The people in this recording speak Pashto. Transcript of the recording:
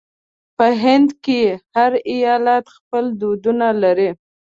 په هند کې هر ایالت خپل دودونه لري.